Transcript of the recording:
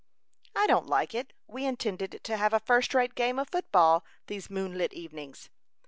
"I don't like it. We intended to have a first rate game of foot ball these moonlight evenings."